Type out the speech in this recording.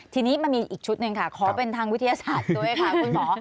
ทีนี้มันมีอีกชุดหนึ่งค่ะขอเป็นทางวิทยาศาสตร์ด้วยค่ะคุณหมอ